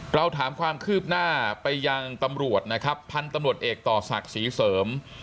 เราถามความคืบหน้าไปยังตำรวจนะครับพันธุ์ตำรวจเอกต่อศักดิ์ศรีเสริม